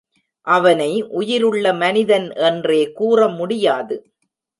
அவனை உயிருள்ள மனிதன் என்றே கூறமுடியாது.